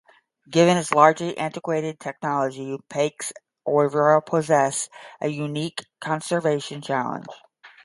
Given its largely antiquated technology, Paik's oeuvre poses a unique conservation challenge.